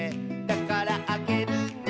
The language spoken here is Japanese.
「だからあげるね」